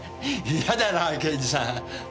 いやだな刑事さん。